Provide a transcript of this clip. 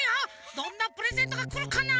どんなプレゼントがくるかな？